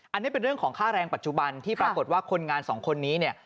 อันนี้เป็นเรื่องของค่าแรงปัจจุบันที่ปรากฏว่าคนงานสองคนนี้เนี่ย